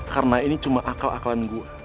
karena ini cuma akal akalan gue